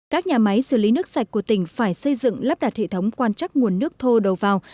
các nhà máy xử lý nước sạch của tỉnh phải xây dựng lắp đặt hệ thống quan trắc nguồn nước thô đầu vào